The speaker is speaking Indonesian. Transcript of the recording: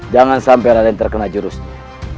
jangan sampai raden terkena jurusnya